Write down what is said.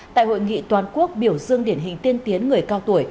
tại hội nghị toàn quốc biểu dương điển hình tiên tiến người cao tuổi